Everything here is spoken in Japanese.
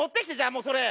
もうそれ。